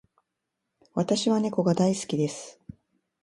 私は猫が大好きです。